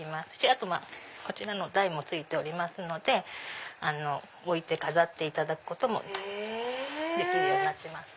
あとこちらの台もついておりますので置いて飾っていただくこともできるようになってます。